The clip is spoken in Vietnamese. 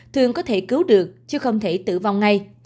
thường có thể cứu được chứ không thể tử vong ngay